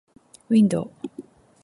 window